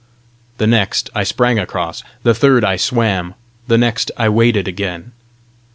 The next I sprang across; the third I swam; the next I waded again.